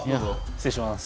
失礼します。